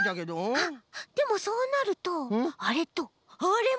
あっでもそうなるとあれとあれも。